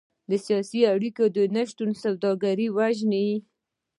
د سیاسي اړیکو نشتون سوداګري وژني.